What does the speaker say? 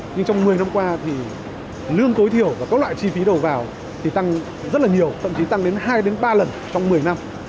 nhưng trong một mươi năm qua thì lương tối thiểu và các loại chi phí đầu vào thì tăng rất là nhiều thậm chí tăng đến hai ba lần trong một mươi năm